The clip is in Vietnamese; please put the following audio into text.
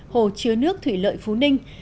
hồ chứa nước thủy lợi phú ninh